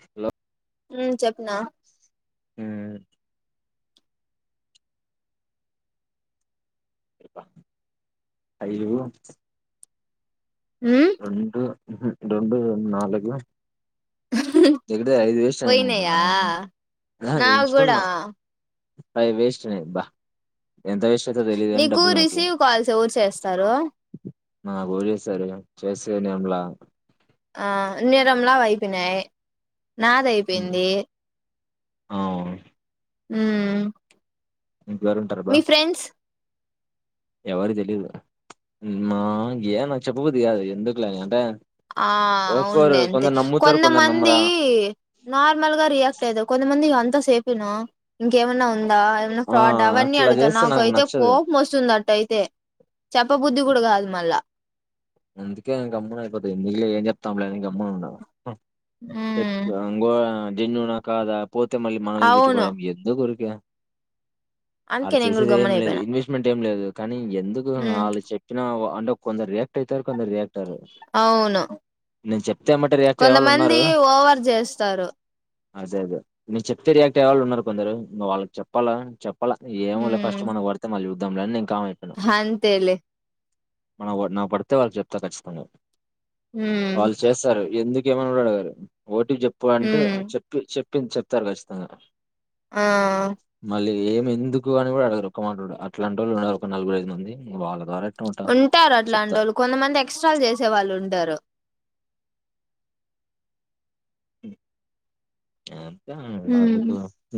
Hello హ్మ్ చెప్నా అయ్యో రెండు మ్ హు రెండు, నాలుగు గెలుప్ అదే ఐదు ఏసినా అనుకున్న పోయినాయా ఆహా నావి కూడా ఎంచుకున్నా అవి వేస్ట్ నీబ్బా ఎంత వేస్ట్ అయితాయో తెలీదు. కాని నీకు డబ్బులు నాకియ్ రిసీవ్ కాల్స్ ఎవరు చేస్తారు నాకు ఎవరు చేస్తారు. చేసేనేంలా ఆ నిరంలా వైపోయినాయ్ నాది అయ్యిపోయింది. అవును హ్మ్ ఇంట్లో ఎవరు ఉంటారు. అబ్బా ఎవరికి తెలీదు మా [unintelligible] నాకు చెప్పబుద్ధి కాదు ఎందుకులే అంటే ఆ ఒక్కోరు అవునులే అంతే కొందరు నమ్ముతారు కొందరు కొంతమంది నమ్మరా నార్మల్గా రియాక్ట్ అయితారు. కొంతమంది ఇంత సేపు ఇనో ఇంకేమన్నా ఉందా ఎమన్నా ఫ్రాడ్ ఆ అవన్నీ అట్లా అడుగుతారు. చేస్తే నాకు నాకైతే నచ్చదు కోపం వస్తుంది అట్ట అయ్యితే చెప్పబుద్ధి కూడా కాదు మళ్ళా అందుకే గమ్మునా అయిపోతు నీలే ఏం చెప్తాంలే అని గమ్మునా ఉన్న ఉమ్ అంగో జెన్యూన్ ఆ కాదా పోతే మళ్ళీ అవును మనల్నితిట్టుకోవడం ఎందుకు ఊరికే అడా అందుకే నేను కూడా చేసేది ఏం గమ్మున లేదు అయిపోయినా ఇన్వెస్ట్మెంట్ ఏం లేదు. కానీ ఎందుకు ఉమ్ వాళ్ళు చెప్పిన అంటే కొందరి [unintelligible] కొందరు అవ్వరు అవును నేను చెప్తే ఎమ్మటే రియాక్ట్ అయ్యే వాళ్ళు ఉన్నారు కొంతమంది ఓవర్ చేస్తారు అదె అదె నేను చెప్తే రియాక్ట్ అయ్య వాళ్ళు ఉన్నారు కొందరు నువ్వు వాళ్ళకి చెప్పాలా చెప్ప ప్పల ఏమో లె ఫస్ట్ మనం పడితే మళ్ళ ద్దంలే అని హ అంతేలే మనక్ పడిన పడక్ అయితే వాళ్ళ చెప్తారు ఖచ్చితంగా ఉమ్ వాళ్ళు చేస్తారు ఎందుకే ఏమని కూడా అడగరు ఓటి క్ చెప్పు అంటే ఉమ్ చెప్పి చె చెప్తారు ఖచ్చితంగా ఆ మళ్ళీ ఏం ఎందుకు అని కూడా అడగరు ఒక మాట కూడ అట్లాంటోళ్ళు ఉన్నరు ఒక నలుగురైదు మంది ఇంక వాళ్ళ ద్వారా ఎట్నోట ఉంటారు అట్లాంటి చెప్తా వాళ్ళు కొంతమంది ఎక్స్ట్రాలు చేసే వాళ్ళు ఉంటారు ఆ ఉమ్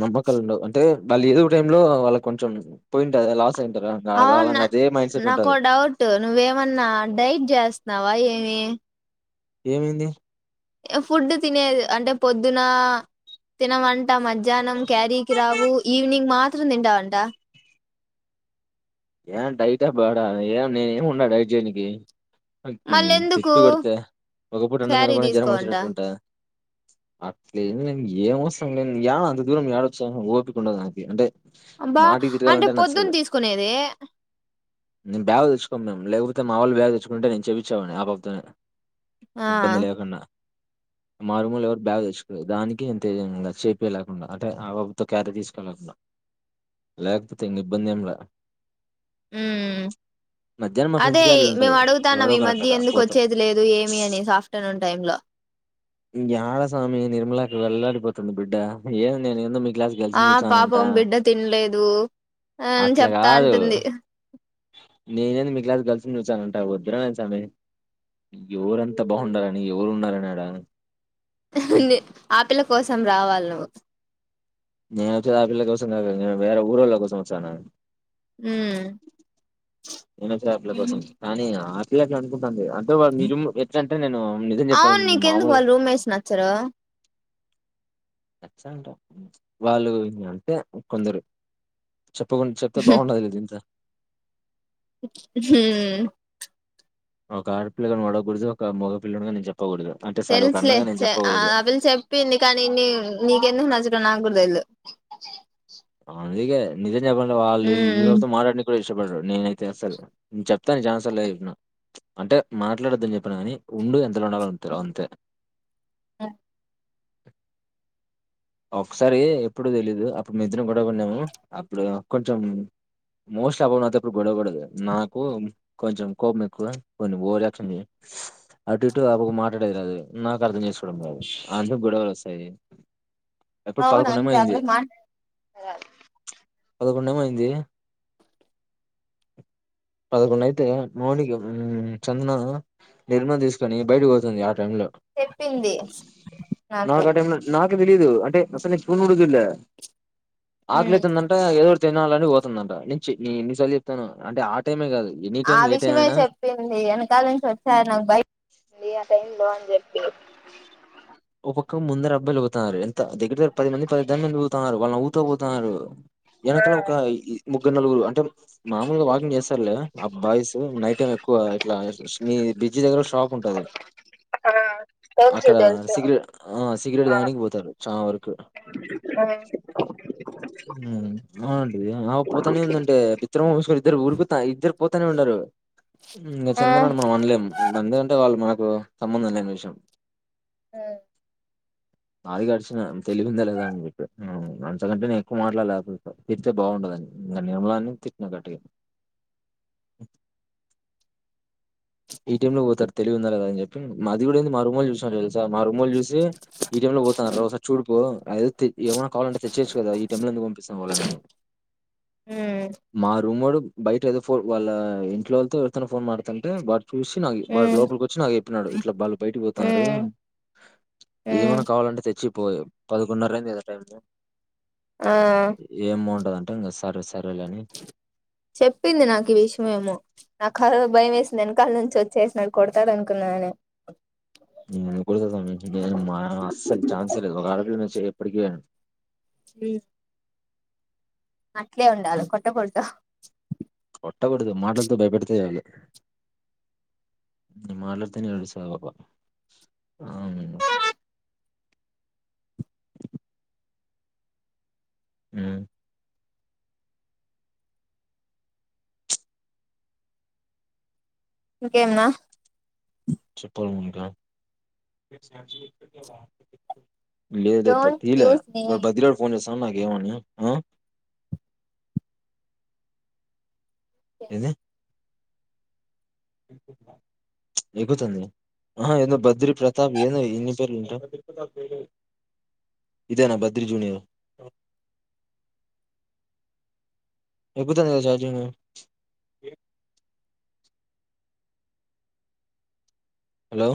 నమ్మకాలు ఉండవు అంటే మళ్ళీ ఏదో ఒక టైం లో వాళ్ళకి కొంచెం పోయింటాది లాస్ అయింటారా అవును వాళ్ళకి నా అదే మైండ్ సెట్ నాకు ఉంటది ఓ డౌట్ నువ్వేమన్నా డైట్ చేస్తున్నావా ఏ హుమ్మ్ ఏమైంది ఫుడ్ తినేది అంటే పొద్దునా తినమంటే మధ్యాహ్నం క్యారీ కి రావు ఈవినింగ్ మాత్ర మాత్ర నింటావంట [unintelligible] ఏం డైట పాడా ఏం నేనేమి ఉన్నా డైట్ జేయనికి మళ్ళ ఎందుకు తిప్పి కొడితే ఒకప్పుడు [unintelligible] అన్న క్యారీ నిలకునే జ్వరం తీసుకోవంట వచ్చినట్టుంటే అట్లే ఏం లేదు ఏం వస్తం నేను యాడ అంత దూరం ఏడ వచ్చేను ఓపిక ఉండదు నాకి అంటే అబ్బా అంటే పొద్దున తీసుకునేది బాగా తెలుసుుకోం మేము లేకపోతే అ మా వాళ్లు బ్యాగ్ తెచ్చుకునుంటే నేను చెప్పిచే వాన్ని ఆ పాప తోనే ఆ ఇబ్బంది లేకుండా మా రూములో ఎవరు బ్యాగ్ తెచ్చుకోల దానికి ఇంతెజెముందా చేపీ లేకుండ అంటే ఆ పాప తో క్యారీ తీసుకెళ్లకుండా లేకపోతే ఇంక ఇబ్బందేంల ఊమ్ మధ్యాహ్నం మా ఫ్రెండ్స్ అదే క్యారీలు మేము ఉంటాయి. ఎవరో అడుగుతాన్నామ్ ఈ ఒకరు అట్టట మధ్య ఎందుకు పోతాం. వచ్చేది లేదు ఏమి అనే ఆఫ్టర్నూన్ టైమ్ లో యాడ సామి నిర్మలక్క అళ్లాడిపోతుంది బిడ్డ ఏమ్ నేను ఎందొ మీకు ఆ పాపం బిడ్డ తినలేదు అని చె అట్లా అత్తా కాదు అంటుంది నేనేంది మీ క్లాస్ గర్ల్స్ ని చూచానంటా వద్దురా నేను సమీ ఎవరంతా బాగుండాలని ఎవరు ఉన్నారని అడ ఆహ్ ఆపిల్ల కోసం రావాలి నువ్వు నేనొచ్చింది ఆపిల్ల కోసం కాక వేరే ఊరోళ్ల కోసం వచను ఉమ్ నేనొచ్చా ఆపిల్ల కోసం కానీ అది చెప్పండి అంటే వా మిడిల్ లో ఎట్లంటే నేను నిజం చెప్పాల అవును నీకెందుకు మామూలుగా వాళ్ళ రూమ్మేట్స్ నచ్చరు అచ్చ అంట వాళ్ళు అంటే కొందరు చెప్పకుండా చెప్తే బాగుండదు కదా ఇంట్లో హు ఒక ఆడపిల్లగా నువ్వు ఆడగుడదు ఒక మెగాపిల్లాడిగా నేను చెప్ తెలుసులే చే అవిల్ చెప్పింది కానీ నీ నీకెందుకు నచ్చడం నా లేలో అందుకే నిజ వా ఇవ మాటి ది కూడా ఇష్టపడరు నేనయితే అసలు చెప్ నేను అయితే ఇఫనవ్ అంటే మాట్లాడొద్దని చెప్పాను కాని ఉండేది ఎంతలో ఉండాలో అంతే ర ఒకసారి ఎప్పుడు తెలీదు అప్పుడు మే ఇద్దరము గొడవ పడినము అప్పుడు కొంచెం మోస్ట్ అబ అతే అప్పుడు గొడవకూడదు నాకు కొంచెం కోపం ఎక్కు కొంచెం ఓజక్షంది అటు ఇటు అబ మాట్లాడేది రాదు నాకు అర్థం చేసుకోవడం రాదు అందుకు గొడవలు వస్తాయి ఎప్పుడు అవునా పదకొండేమో అంత అయింది ఆరోజు పదకొండ ఏమైంది పదకొండ అయితే మోనికి చందన నిర్మ తీసుకని బయటకి పోతుంది యా టైం లో చెప్పింది నాకు నాకా టైం లో నాక్ తెలీదు అంటే అస్సల్ ఎప్పుడూ కూడా చుడలే ఆకలి ఉమ్ అయితంది అంట ఎవరు తినాలని పోతుందంట ని చ్చి ఇన్నిసార్లు చెప్తాను అంటే ఆ టైమే కాదు ఎనీ ఆ టైం ఏ టైం విషయమే అయినా చెప్పింది ఏనకాల నుంచి వచ్చారు నాకు బయంది ఆ టైం లో చెప్పి ఓ పక్క ముందర అబ్బలుగుతతు దగ్గ పది మంది పదిదని మంది పోతున్నారు వాళ్ళ అంత పోతారు వేనకలా ఒక నలుగురు అంటే మామూలుగా వాకింగ్ చేస్తారులే ఆ బాయ్స్ నైట్ టైం ఎక్కువ ఇట్లా మీ బిడ్జి దగ్గర షాప్ ఉంటది ఒకే తెల్సు సిగ్రెట్ ఆ సిగరెట్ దాగనికి పోతారు చానా వరుకు ఆ ఉమ్ మ్మ్ అవునండీ ఆ పోతనే ఉందంటే బిత్తర మోహమేసుకోని ఇద్దరు ఉరుకుతా ఇద్దురు పోతానే ఉండారు మ్మ్ చెందనాని మనం అనలేం మందంటే వాళ్ళు మన కు సంబంధం లేని విషయం ఆ ఆడికి అడిచిన తెలివిందా లేదా అని జెప్పి మ్ అంతకంటేనే క్కువ మాట్లాడల్లేకపో పిల్లతో తిడితే బాగుండదని ఇంగ నిర్మలాని తిట్టిి నా గట్టిగా. ఈ టైమ్ లో పోతారు తెలివి ఉందా లేదాని చెప్పి మాది కూడా ఏంది మా రూమొల్లు చూసినారు తెల్స్ తా మా రూమొళ్ళు చూసి ఈ టైమ్ లో పోతన్నారు. ఒకసారి చూడుపో అది ఏమైనా కావాలంటే తెచ్చియొచ్చు కదా, ఈ టైంలో లో ఎందుకు పంపిస్తావ్ వాళ్ళని అని మా రూమ్ వోడు. బయట ఏదో ఫోన్ వాళ్ళ ఇంట్లోళ్తో ఎవర్తోనో ఫోన్ మాడుతుంటే వాడ్ చూసి నాకు వాడు ఉమ్ లోపలికి వచ్చి నాకు చెప్పినాడు, ఇట్లా వాళ్ళు బయట పోతన్నారు ఉమ్ ఉమ్ ఏమైనా కావాలంటే తెచ్చియ్. పోదు పదకొండున్నరయింది గా టైమ్ ఆ ఏం బావుంటదంటే ఇంగ అస్ అడ్రెస్ చెప్పింది నాకు ఈ విషమేమో నాఖ అదో భయం వేసింది వెనకాల నుంచి వచ్చేసిన న్ కొడుతాడు అనుకున్నానే నీ కోసం వచ్చింటేగన మనకు అస్సలు చాన్సే లేదు ఒక ఆడపిల్ల నేసు చూడు ఎప్పడికైనా హ్మ్ అట్లే ఉండాలి కొట్టకూడదు కొట్టకుడుదు మాట్లాలతో భయపడితే చాలు నే మాట్లాడితేనే ఏడుస్సాది ఆ పాప ఆ. మ్మ్ ఇంకేం న్నా చెప్పాలి మీరే లేదు ఇప్పుడు డోంట్ తీయలా యూస్ వాడు నేమ్స్ బద్రి గాడు ఫోన్ జేసే అవున్ నాకేమన్యావ్ ఆ ఏంది ఎగుతుంది ఆ ఏదో బద్రీ ప్రతాప్ ఏదో ఇన్ని పేర్లు ఉంట ఇదేనా బద్రీ జూనియర్ ఎక్కుతాదికదా ఛార్జింగు హలో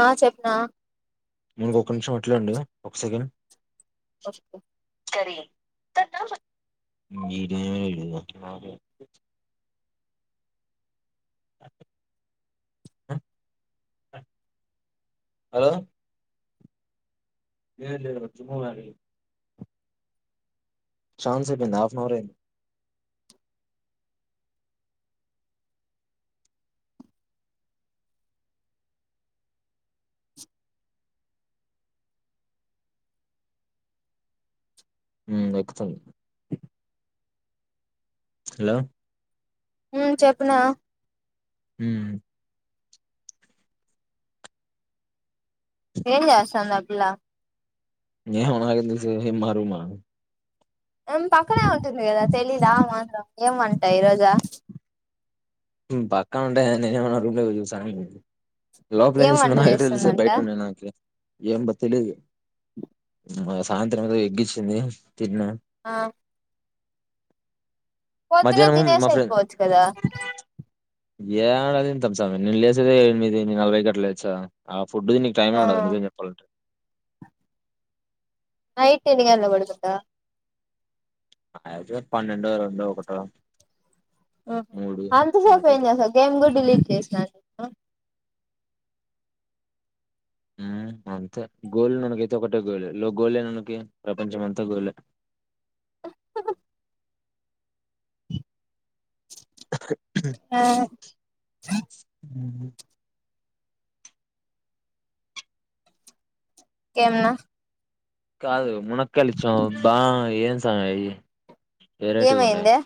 ఆ చెప్నా మౌనిక ఒక్క నిమిషం అట్లేఉండు ఒక సెకండ్ కరి [unintelligible] హలో [unintelligible] ఛాన్స్ ఐపోయింది హాఫ్ ఆన్ అవరే హ్మ్మ్ ఎక్కుతుంది హలో ఉం చెప్పున హు ఏం చేస్తాంది ఆ పిల్ల ఏమో నాకేం తెలుసు ఏ మారుమా ఏం పక్కనే ఉంటుంది కదా తెలీదా ఆ మాత్రం ఏమనీ డైరజా పక్కనుంటే నేనేమైనా రూమ్ లోకి పోయి చూస్తనేంది లోపలేం ఏం చేస్తుందో వంట నాకెట్ట తెలుస్తాది చేస్తుందంట బయటుండే నాకి ఎం తెలిదు మాకు సాయంత్రం ఏదో ఎగ్ ఇచ్చింది తిన్న ఆ పోధునే మధ్యాహ్నం తినేసి మా ఫ్రెండ్ వెళ్ళిపోచ్చు కదా ఏడ తింటాం సమీ నేను లేసేది ఎనిమిది నలభై గట్లా లేచ ఫుడ్ తినేకి టైమే ఆ ఉండదు నిజం చెప్పాలంటే నైట్ ఎన్ని గంటలకి పడుకుంటావ్ అయితది పన్నెండో రెండో ఒకటో ఆహా మూడు అంతసేపు నాటి ఎంచేసారూ గేమ్ కూడా డిలీట్ చేస్నారు ఉం అంతే గోల్ ననకైతే ఒకటే గోలే లో గోళ నేనలకి ప్రపంచం అంతా గోలే [inaudible] ఆ [inaudible] ఊ ఇంకెమన కాదు మునక్కలిచ్చం బా ఏం సామి వెరైటీ గుండాయి ఏమైందే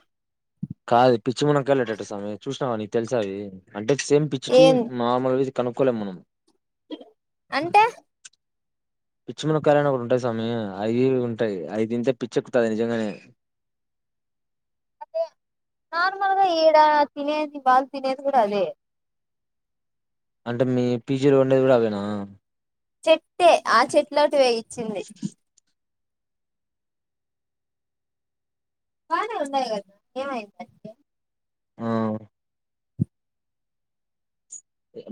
కాదు పిచ్చి మునకళ్ళఏటట సామి చూసినావా నీకు తెలిసా అవి అంటే సేమ్ పిచ్చిచ ఏం మామల్లు కనుక్కోలేం మనం అంటే పిచ్చి మునక్కాయాలని ఒకటి ఉంటాయి సామీ అవి ఉంటాయి అయి తింటే పిచ్చెక్కుతది నిజంగానే. నార్మల్ గా ఈడా తినేది వాళ్ళు తినేది కూడా అదే అంటే మీ పీజీలో వండేది కూడా అవేనా చెట్టే ఆ చెట్టులోటివే ఇ చ్చింది బానే ఉన్నాయి కదా ఏమైంది ఇటీకి ఆ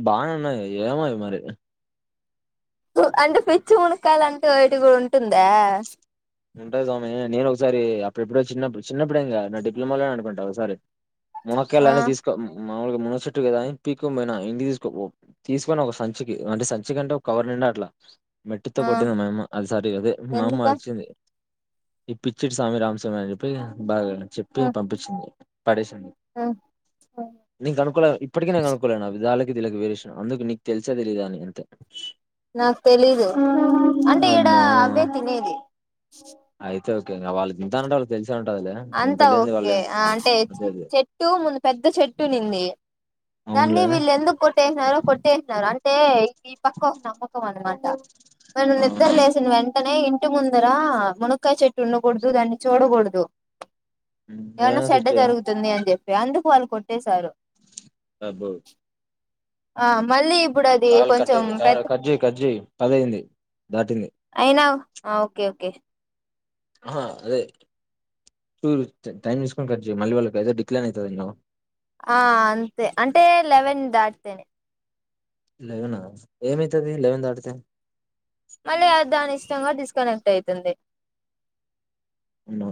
బానే ఉన్నయ్ ఏమోయ్ మరి అంటే పిచ్చి మునక్కాయలు అంటే ఓటి కూడా ఉంటుందా ఉంటాయి సామీ నేను ఒకసారి అప్పుడు ఎప్పుడో చిన్నప్పుడు చిన్నప్పుడేం కాదు నా డిప్లొమోలోనే అనుకుంటా ఒకసారి ఆ మునక్కాయలన్ని తీసుకో మాములుగా మునగ చెట్టు కదా అని పీక్కు పోయిన ఇంటి తీసుకో తీసుకొని ఒక సంచికి అంటే సంచికి అంటే ఒక కవర్ నిండ అట్లా. మెట్టుతో ఆ కొట్టింది మా యమ్మ అది సారి అదే మా అమ్మ ఎందుక అరిచింది ఈ పిచ్చిడి సామి రామసామీ అని చెప్పి బాగా చెప్పి పంపించింది పడేసింది నీకు అనుకూల ఇప్పటికి నేన్ కనుకోలేదు దాళ్ళకి దీళ్ళకి వేరేషన్ అందుకు నీకు తెలిసా తెలిదా అంతే నాకు తెలీదు అంటే ఈడ అమ్మా అవే తినేది ఓకే ఇంక వాళ్ళు తింటారంటే వాళ్లకు తెలుసు అంతా ఓకే అంటే అదే అదే చెట్టు ముందు పెద్ద చెట్టు ఉన్నింది. దాన్ని అవునులే వీళ్ళు ఎందుకు కొట్ కొట్టేసినారు కొట్టేసినారు అంటే ఈ పక్క ఒక నమ్మకం అన్నమాట మనం నిద్ర లేసిన వెంటనే ఇన్ టి ముందర మునక్కాయ్ చెట్టు ఉండకూడదు దాన్ని చూడకూడదు ఏమన్నా ఏం సెడ్డ స్విచ్ జరుగుతుంది అని సెప్పి అందుకు వాళ్ళు కొట్టేశారు అబ్బో ఆ మళ్ళీ ఇప్ కాలు కట్టయింది కట్ జయ్ కట్ జయ్ పదయింది దాటింది అయినా ఓకే ఓకే ఆహా అదే టూ టైమ్ తీసుకొని కట్ జయ్ మళ్ళీ వాళ్ళకి అయితే డిక్లయిన్ అయితది నువు ఆ అంతే అంటే లెవెన్ దాటితేనే లెవెనా ఏమైతది లెవెన్ దాటితే మళ్ళీ అ దాని ఇష్టంగా డిస్కనెక్ట్ అయితంది నో